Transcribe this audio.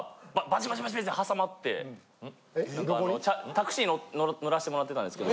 ・タクシー乗らしてもらってたんですけど。